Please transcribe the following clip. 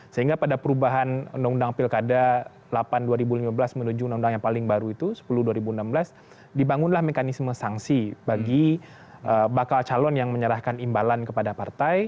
sehingga pada perubahan undang undang pilkada delapan dua ribu lima belas menuju undang undang yang paling baru itu sepuluh dua ribu enam belas dibangunlah mekanisme sanksi bagi bakal calon yang menyerahkan imbalan kepada partai